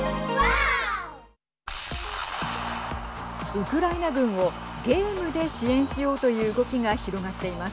ウクライナ軍をゲームで支援しようという動きが広がっています。